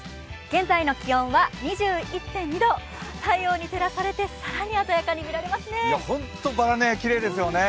現在の気温は２１．２度、太陽に照らされて更に鮮やかなに見られますね。